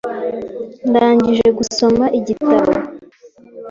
Ndangije gusoma igitabo .